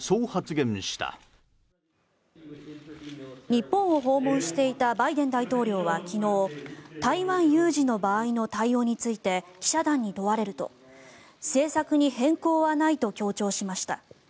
日本を訪問していたバイデン大統領は昨日台湾有事の場合の対応について記者団に問われると政策に変更はないと強調しました。